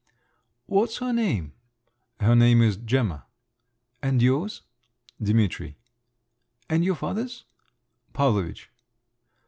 "What's her name?" "Her name is Gemma." "And yours?" "Dimitri." "And your father's?" "Pavlovitch."